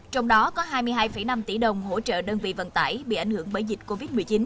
trong đó có hai mươi hai năm tỷ đồng hỗ trợ đơn vị vận tải bị ảnh hưởng bởi dịch covid một mươi chín